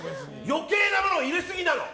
余計なものを入れすぎなの。